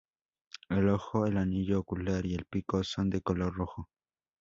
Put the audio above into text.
El ojo, el anillo ocular y el pico son de color rojo.